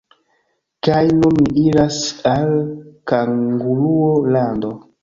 Kaj nun ni iras al Kanguruo-lando.